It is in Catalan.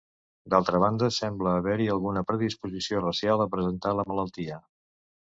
D'altra banda, sembla haver-hi alguna predisposició racial a presentar la malaltia.